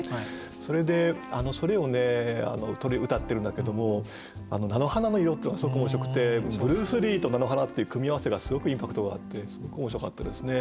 それでそれを歌ってるんだけども「菜の花の色」っていうのがすごく面白くて「ブルース・リー」と「菜の花」っていう組み合わせがすごくインパクトがあってすごく面白かったですね。